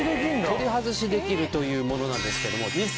取り外しできるというものなんですけども。